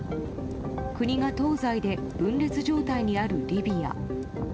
国が東西で分裂状態にあるリビア。